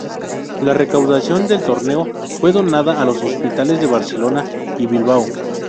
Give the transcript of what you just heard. La recaudación del torneo fue donada a los hospitales de Barcelona y Bilbao.